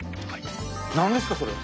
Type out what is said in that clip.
何ですかそれは。